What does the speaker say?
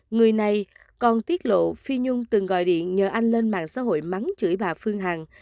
người này còn tiết lộ phi nhung từng gọi điện nhờ anh lên mạng xã hội mắng chửi bà phương hằng